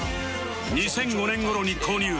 ２００５年頃に購入